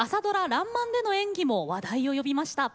「らんまん」での演技も話題を呼びました。